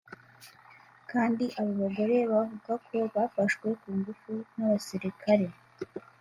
kandi abo bagore bavugako bafashwe ku ngufu n’abasirikare